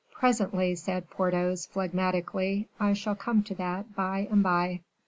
"Presently," said Porthos, phlegmatically; "I shall come to that by and by."